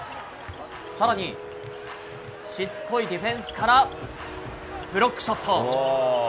更に、しつこいディフェンスからブロックショット。